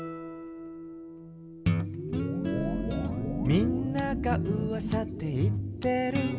「みんながうわさで言ってる」